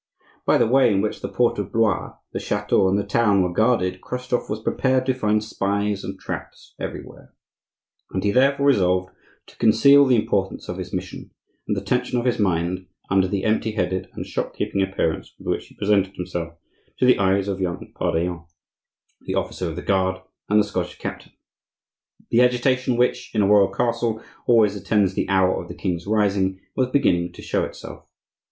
By the way in which the port of Blois, the chateau, and the town were guarded, Christophe was prepared to find spies and traps everywhere; and he therefore resolved to conceal the importance of his mission and the tension of his mind under the empty headed and shopkeeping appearance with which he presented himself to the eyes of young Pardaillan, the officer of the guard, and the Scottish captain. The agitation which, in a royal castle, always attends the hour of the king's rising, was beginning to show itself.